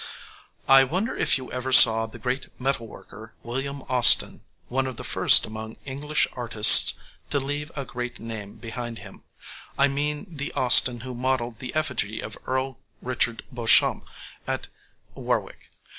}] I wonder if you ever saw the great metal worker, William Austin, one of the first among English artists to leave a great name behind him I mean the Austin who modelled the effigy of Earl Richard Beauchamp, at Warwick.